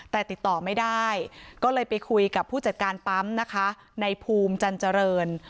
แต่ติดต่อไม่ได้ก็เลยไปคุยกับผู้จัดการปั๊มนะคะในภูมิจันเจริญ